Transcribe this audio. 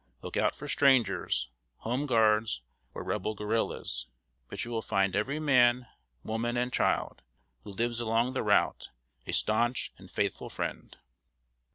Look out for strangers, Home Guards, or Rebel guerrillas; but you will find every man, woman, and child, who lives along the route, a stanch and faithful friend."